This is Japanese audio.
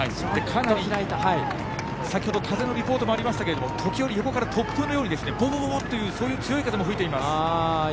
先ほど、風のリポートもありましたけれども時折、横から突風のように強い風も吹いています。